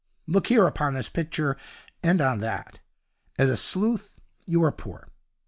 Look here upon this picture, and on that. As a sleuth you are poor.